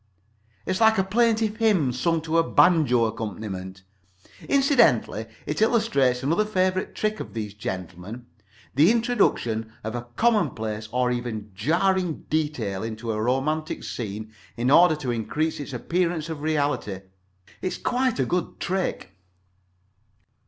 It is like a plaintive hymn sung to a banjo accompaniment. Incidentally it illustrates another favorite trick of these gentlemen—the introduction of a commonplace or even jarring detail into a romantic scene in order to increase its appearance of reality. It is quite a good trick.